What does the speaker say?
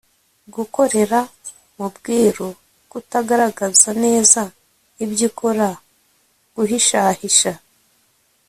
gukorera mu bwiru kutagaragaza neza ibyo ukora, guhishahisha